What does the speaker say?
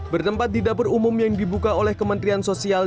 bertempat di dapur umum yang dibuka oleh kementerian sosial